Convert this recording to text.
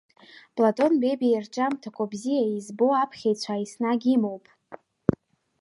Платон Бебиа ирҿиамҭақәа бзиа избо аԥхьаҩцәа еснагь имоуп.